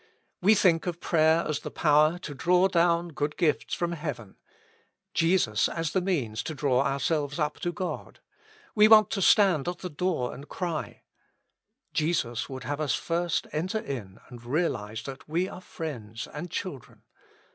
We think of prayer as the power to draw down good gifts from heaven ; Jesus as the means to draw ourselves up to God. We want to stand at the door and cry : Jesus would have us first enter in and real ize that we are friends and children.